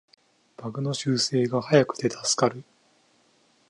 バグの修正が早くて助かる